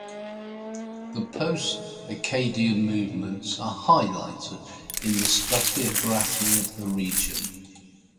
The post-Acadian movements are highlighted in the stratigraphy of the region.